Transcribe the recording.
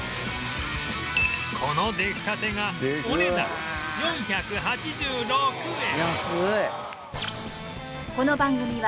この出来たてがお値段４８６円